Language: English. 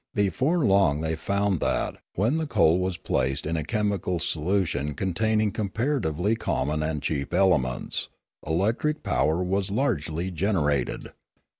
Before long they found that, when the coal was placed in a chemical solution containing com paratively common and cheap elements, electric power was largely generated.